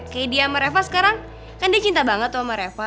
kayak dia sama reva sekarang kan dia cinta banget sama reva